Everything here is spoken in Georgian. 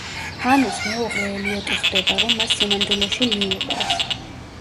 ჰანას მეუღლე ელიოტი ხვდება, რომ მას სინამდვილეში ლი უყვარს.